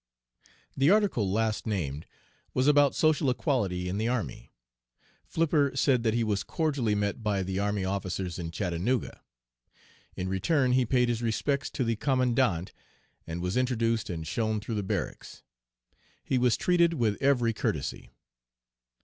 "The article last named was about social equality in the army. Flipper said that he was cordially met by the army officers in Chattanooga. In return he paid his respects to the commandant and was introduced and shown through the barracks. He was treated with every courtesy.